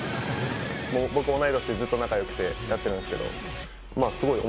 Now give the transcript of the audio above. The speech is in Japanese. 僕同い年でずっと仲良くてやってるんですけど。